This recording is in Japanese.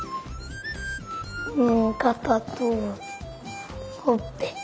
かたとほっぺ。